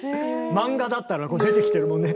漫画だったらこう出てきてるもんね